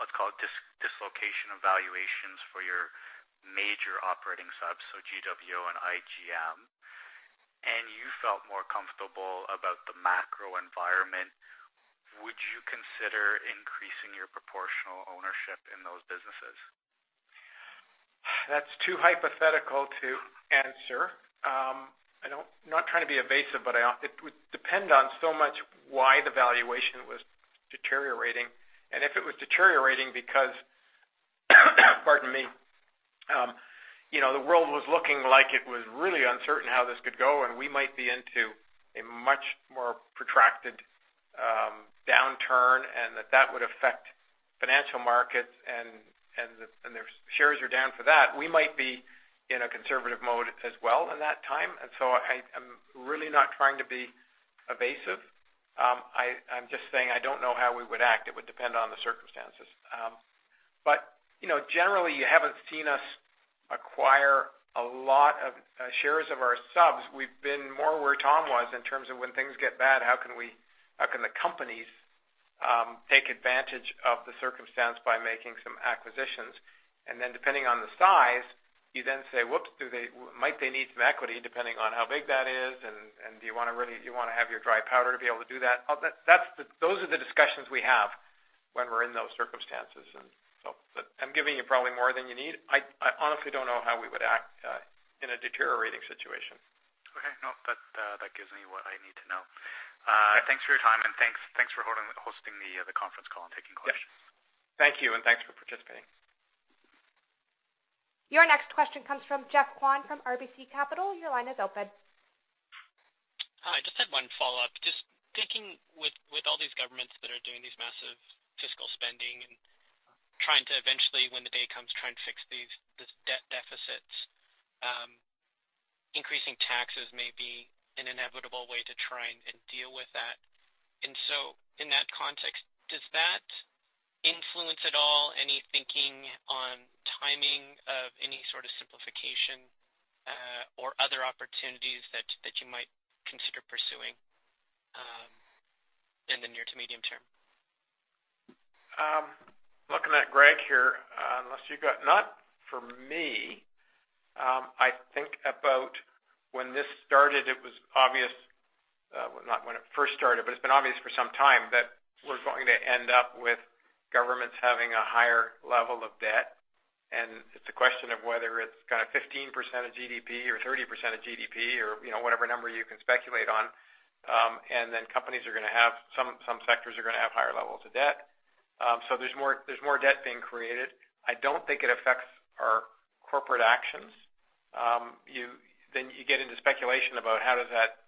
let's call it dislocation of valuations for your major operating subs, so GWO and IGM, and you felt more comfortable about the macro environment, would you consider increasing your proportional ownership in those businesses? That's too hypothetical to answer. I'm not trying to be evasive, but it would depend on so much why the valuation was deteriorating. And if it was deteriorating because, pardon me, the world was looking like it was really uncertain how this could go, and we might be into a much more protracted downturn and that that would affect financial markets and the shares are down for that, we might be in a conservative mode as well in that time. And so I'm really not trying to be evasive. I'm just saying I don't know how we would act. It would depend on the circumstances. But generally, you haven't seen us acquire a lot of shares of our subs. We've been more where Tom was in terms of when things get bad, how can the companies take advantage of the circumstance by making some acquisitions? And then depending on the size, you then say, "Whoops, might they need some equity depending on how big that is?" And do you want to really, do you want to have your dry powder to be able to do that? Those are the discussions we have when we're in those circumstances. And so I'm giving you probably more than you need. I honestly don't know how we would act in a deteriorating situation. Okay. No, that gives me what I need to know. Thanks for your time, and thanks for hosting the conference call and taking questions. Yes. Thank you, and thanks for participating. Your next question comes from Geoff Kwan from RBC Capital. Your line is open. I just had one follow-up. Just thinking with all these governments that are doing these massive fiscal spending and trying to eventually, when the day comes, try and fix these debt deficits, increasing taxes may be an inevitable way to try and deal with that, and so in that context, does that influence at all any thinking on timing of any sort of simplification or other opportunities that you might consider pursuing in the near to medium term? Looking at Greg here, unless you got not for me. I think about when this started. It was obvious, well, not when it first started, but it's been obvious for some time that we're going to end up with governments having a higher level of debt. And it's a question of whether it's kind of 15% of GDP or 30% of GDP or whatever number you can speculate on. And then companies are going to have some sectors are going to have higher levels of debt. So there's more debt being created. I don't think it affects our corporate actions. Then you get into speculation about how does that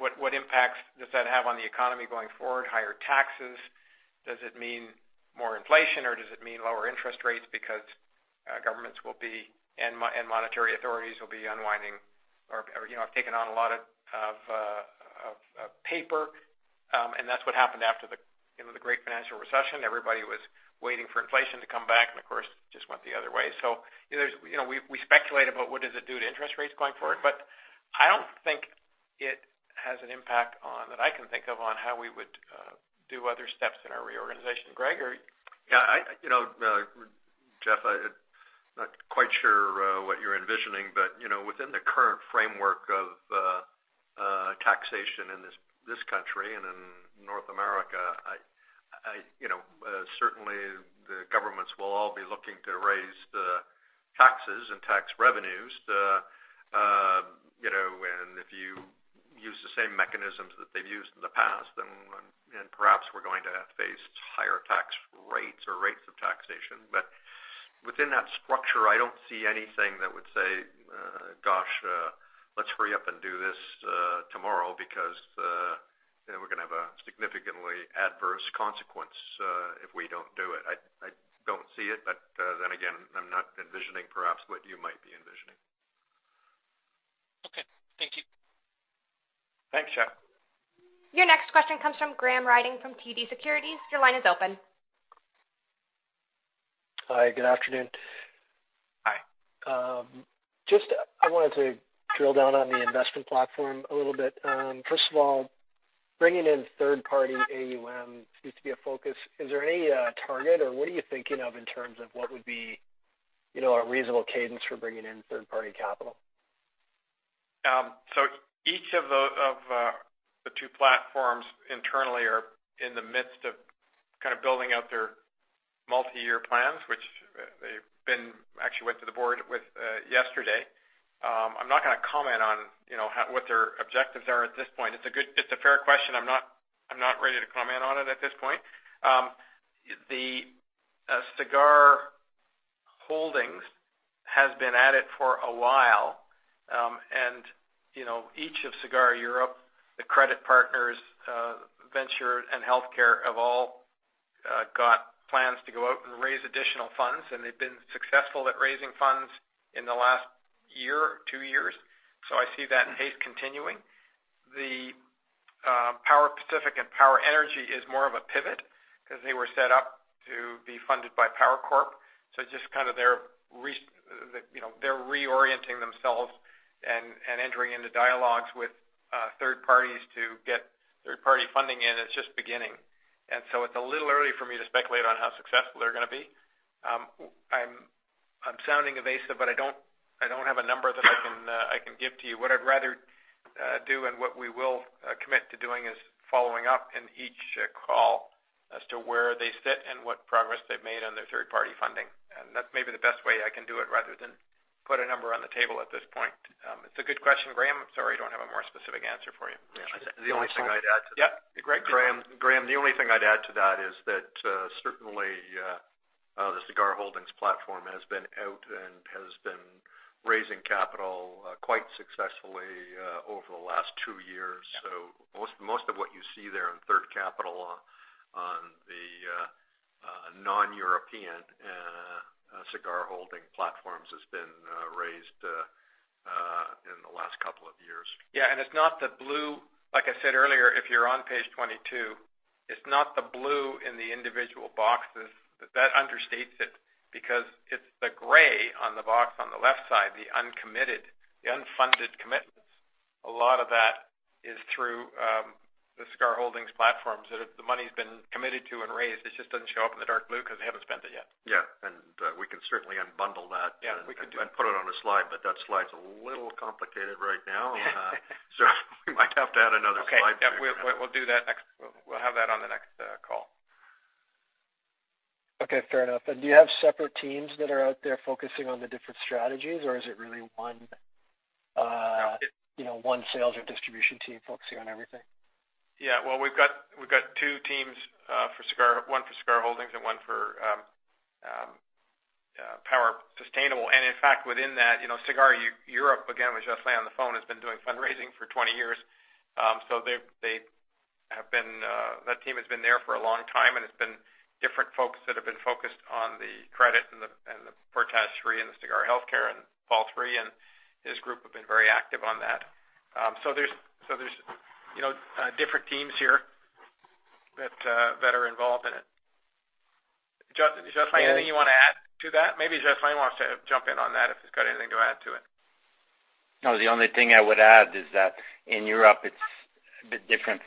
what impact does that have on the economy going forward? Higher taxes? Does it mean more inflation, or does it mean lower interest rates because governments will be and monetary authorities will be unwinding or have taken on a lot of paper? That's what happened after the great financial recession. Everybody was waiting for inflation to come back, and of course, it just went the other way. We speculate about what does it do to interest rates going forward. I don't think it has an impact on that I can think of on how we would do other steps in our reorganization. Greg? Yeah. Geoff, I'm not quite sure what you're envisioning, but within the current framework of taxation in this country and in North America, certainly, the governments will all be looking to raise the taxes and tax revenues. If you use the same mechanisms that they've used in the past, then perhaps we're going to face higher tax rates or rates of taxation. But within that structure, I don't see anything that would say, "Gosh, let's hurry up and do this tomorrow because we're going to have a significantly adverse consequence if we don't do it." I don't see it. But then again, I'm not envisioning perhaps what you might be envisioning. Okay. Thank you. Thanks, Geoff Your next question comes from Graham Ryding from TD Securities. Your line is open. Hi. Good afternoon. Hi. Just, I wanted to drill down on the investment platform a little bit. First of all, bringing in third-party AUM seems to be a focus. Is there any target, or what are you thinking of in terms of what would be a reasonable cadence for bringing in third-party capital? So each of the two platforms internally are in the midst of kind of building out their multi-year plans, which they actually went to the board with yesterday. I'm not going to comment on what their objectives are at this point. It's a fair question. I'm not ready to comment on it at this point. The Sagard Holdings has been at it for a while. And each of Sagard Europe, the Credit Partners, Venture, and Healthcare have all got plans to go out and raise additional funds. And they've been successful at raising funds in the last year or two years. So I see that pace continuing. The Power Pacific and Power Energy is more of a pivot because they were set up to be funded by Power Corp. So just kind of they're reorienting themselves and entering into dialogues with third parties to get third-party funding in. It's just beginning, and so it's a little early for me to speculate on how successful they're going to be. I'm sounding evasive, but I don't have a number that I can give to you. What I'd rather do and what we will commit to doing is following up in each call as to where they sit and what progress they've made on their third-party funding, and that's maybe the best way I can do it rather than put a number on the table at this point. It's a good question, Graham. I'm sorry I don't have a more specific answer for you. The only thing I'd add to that. Yeah. Greg? Graham, the only thing I'd add to that is that certainly, the Sagard Holdings platform has been out and has been raising capital quite successfully over the last two years. So most of what you see there in their capital on the non-European Sagard Holdings platforms has been raised in the last couple of years. Yeah. And it's not the blue, like I said earlier, if you're on page 22, it's not the blue in the individual boxes. That understates it because it's the gray on the box on the left side, the uncommitted, the unfunded commitments. A lot of that is through the Sagard Holdings platforms that the money's been committed to and raised. It just doesn't show up in the dark blue because they haven't spent it yet. Yeah. And we can certainly unbundle that and put it on a slide, but that slide's a little complicated right now. So we might have to add another slide for you. Okay. We'll do that next. We'll have that on the next call. Okay. Fair enough. And do you have separate teams that are out there focusing on the different strategies, or is it really one sales or distribution team focusing on everything? Yeah. Well, we've got two teams, one for Sagard Holdings and one for Power Sustainable. And in fact, within that, Sagard Europe, again, was just saying on the phone, has been doing fundraising for 20 years. So that team has been there for a long time, and it's been different folks that have been focused on the credit and the Portage and the Sagard Healthcare and Portage III and his group have been very active on that. So there's different teams here that are involved in it. Jocelyn, anything you want to add to that? Maybe Jocelyn wants to jump in on that if he's got anything to add to it. No, the only thing I would add is that in Europe, it's a bit different.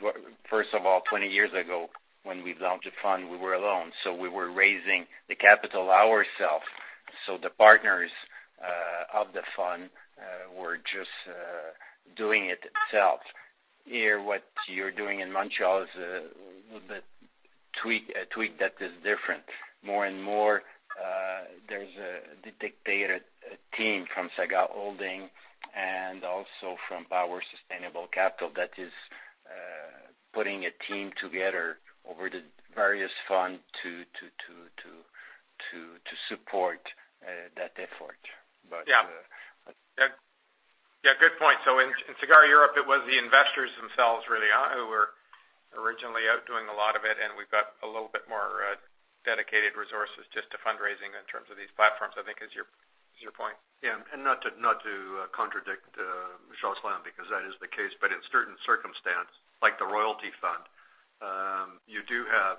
First of all, 20 years ago when we launched a fund, we were alone. So we were raising the capital ourselves. So the partners of the fund were just doing it. Here, what you're doing in Montreal is a tweak that is different. More and more, there's a dedicated team from Sagard Holdings and also from Power Sustainable Capital that is putting a team together over the various funds to support that effort. But. Yeah. Yeah. Good point. So in Sagard Europe, it was the investors themselves really who were originally out doing a lot of it. And we've got a little bit more dedicated resources just to fundraising in terms of these platforms, I think, is your point. Yeah. And not to contradict Jocelyn because that is the case, but in certain circumstances, like the royalty fund, you do have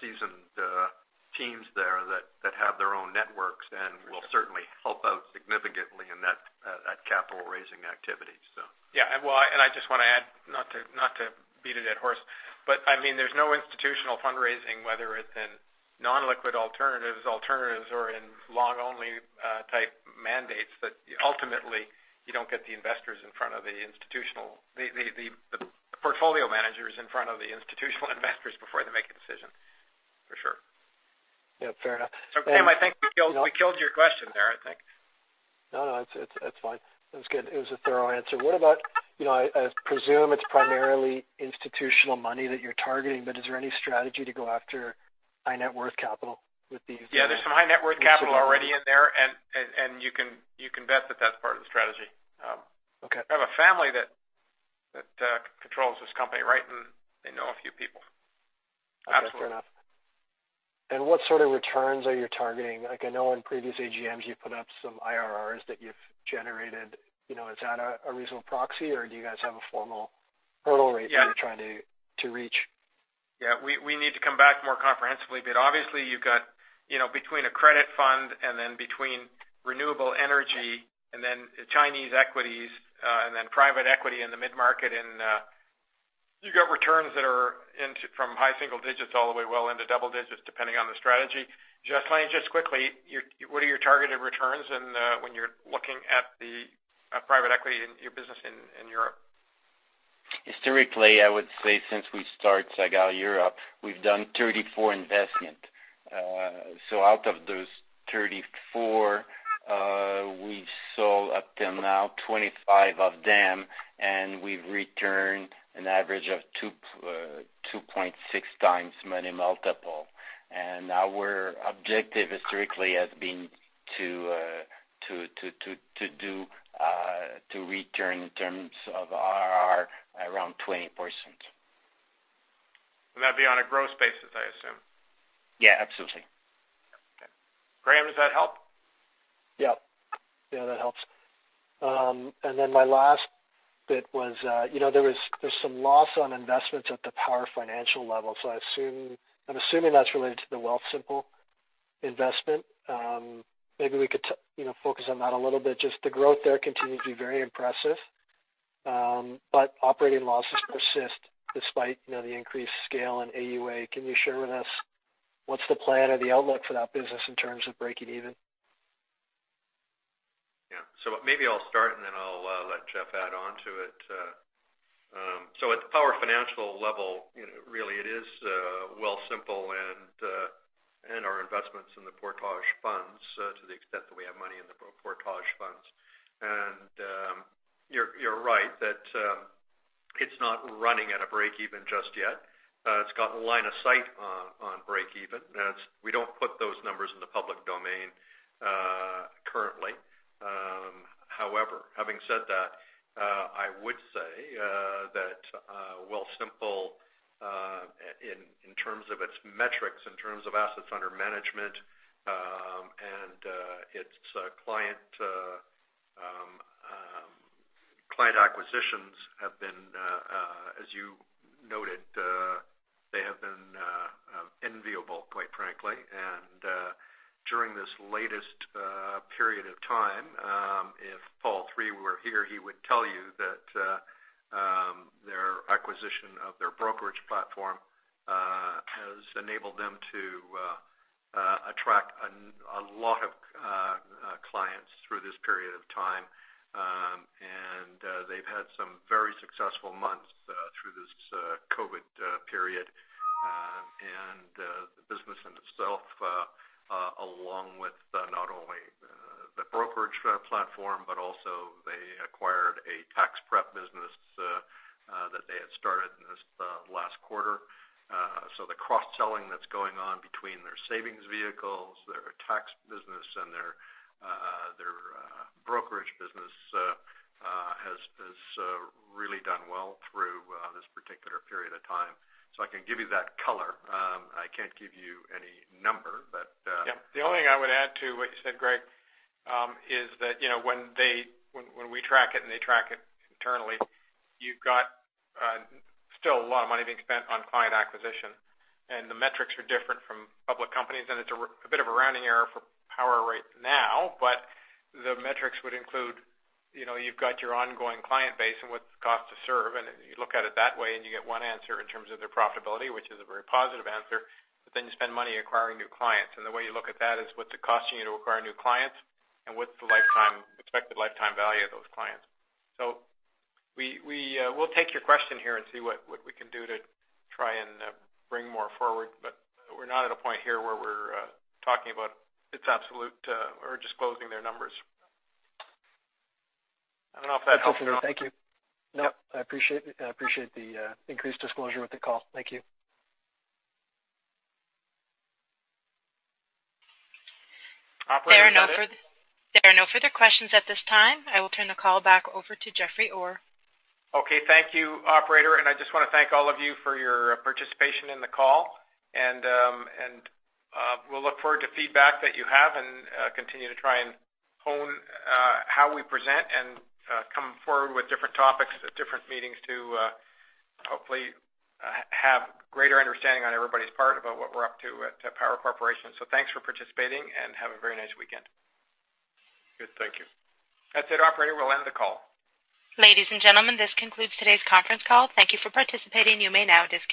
seasoned teams there that have their own networks and will certainly help out significantly in that capital-raising activity, so. Yeah. And I just want to add, not to beat a dead horse, but I mean, there's no institutional fundraising, whether it's in non-liquid alternatives, alternatives, or in long-only type mandates, that ultimately you don't get the investors in front of the institutional, the portfolio managers in front of the institutional investors before they make a decision, for sure. Yeah. Fair enough. So Graham, I think we killed your question there, I think. No, no. It's fine. It was good. It was a thorough answer. What about, I presume it's primarily institutional money that you're targeting, but is there any strategy to go after high-net-worth capital with these? Yeah. There's some high-net-worth capital already in there, and you can bet that that's part of the strategy. I have a family that controls this company, right? And they know a few people. Absolutely. That's fair enough. And what sort of returns are you targeting? I know in previous AGMs, you put up some IRRs that you've generated. Is that a reasonable proxy, or do you guys have a formal hurdle rate that you're trying to reach? Yeah. We need to come back more comprehensively. But obviously, you've got between a credit fund and then between renewable energy and then Chinese equities and then private equity in the mid-market, and you've got returns that are from high single digits all the way well into double digits depending on the strategy. Jocelyn, just quickly, what are your targeted returns when you're looking at the private equity in your business in Europe? Historically, I would say since we started Sagard Europe, we've done 34 investments. So out of those 34, we've sold up to now 25 of them, and we've returned an average of 2.6 times money multiple. Our objective historically has been to return in terms of IRR around 20%. That'd be on a gross basis, I assume? Yeah. Absolutely. Okay. Graham, does that help? Yeah. Yeah. That helps. And then my last bit was there's some loss on investments at the Power Financial level. So I'm assuming that's related to the Wealthsimple investment. Maybe we could focus on that a little bit. Just the growth there continues to be very impressive, but operating losses persist despite the increased scale and AUA. Can you share with us what's the plan or the outlook for that business in terms of breaking even? Yeah. So maybe I'll start, and then I'll let Jeff add on to it. So at the Power Financial level, really, it is Wealthsimple and our investments in the Portage funds to the extent that we have money in the Portage funds. And you're right that it's not running at a break-even just yet. It's got a line of sight on break-even. We don't put those numbers in the public domain currently. However, having said that, I would say that Wealthsimple, in terms of its metrics, in terms of assets under management and its client acquisitions have been, as you noted, they have been enviable, quite frankly. And during this latest period of time, if Paul Desmarais III were here, he would tell you that their acquisition of their brokerage platform has enabled them to attract a lot of clients through this period of time. They've had some very successful months through this COVID period. The business in itself, along with not only the brokerage platform, but also they acquired a tax prep business that they had started in this last quarter. The cross-selling that's going on between their savings vehicles, their tax business, and their brokerage business has really done well through this particular period of time. I can give you that color. I can't give you any number, but. Yeah. The only thing I would add to what you said, Greg, is that when we track it and they track it internally, you've got still a lot of money being spent on client acquisition. And the metrics are different from public companies. And it's a bit of a rounding error for Power right now, but the metrics would include you've got your ongoing client base and what's the cost to serve. And you look at it that way, and you get one answer in terms of their profitability, which is a very positive answer. But then you spend money acquiring new clients. And the way you look at that is what's it costing you to acquire new clients and what's the expected lifetime value of those clients? So we'll take your question here and see what we can do to try and bring more forward. But we're not at a point here where we're talking about it's absolute or disclosing their numbers. I don't know if that helps. Thank you. No, I appreciate the increased disclosure with the call. Thank you. There are no further questions at this time. I will turn the call back over to Jeffrey Orr. Okay. Thank you, Operator. And I just want to thank all of you for your participation in the call. And we'll look forward to feedback that you have and continue to try and hone how we present and come forward with different topics at different meetings to hopefully have greater understanding on everybody's part about what we're up to at Power Corporation. So thanks for participating, and have a very nice weekend. Good. Thank you. That's it, Operator. We'll end the call. Ladies and gentlemen, this concludes today's conference call. Thank you for participating. You may now disconnect.